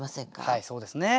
はいそうですね。